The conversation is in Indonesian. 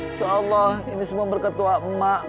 insya allah ini semua berkata ma